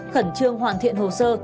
khẩn trương hoàn thiện hồ sơ